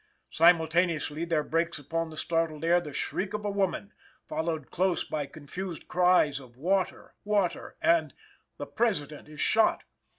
Simultaneously, there breaks upon the startled air the shriek of a woman, followed close by confused cries of "Water! Water!" and "The President is shot!"